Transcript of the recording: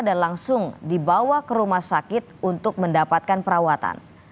dan langsung dibawa ke rumah sakit untuk mendapatkan perawatan